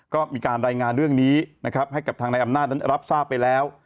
ก็มีการรายงานเรื่องนี้ให้กับทางระยะอำนาจรับทราบไปแล้ว